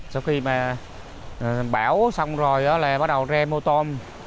sau khi bão xong rồi là bắt đầu ra mua tôm